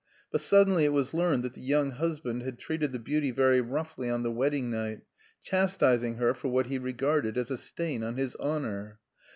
But suddenly it was learned that the young husband had treated the beauty very roughly on the wedding night, chastising her for what he regarded as a stain on his honour.